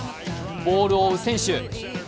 ボールを追う選手。